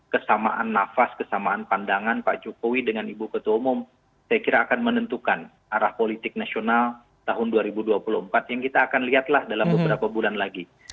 kesamaan nafas kesamaan pandangan pak jokowi dengan ibu ketua umum saya kira akan menentukan arah politik nasional tahun dua ribu dua puluh empat yang kita akan lihatlah dalam beberapa bulan lagi